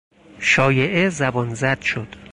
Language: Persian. شایعه زبانزد شد.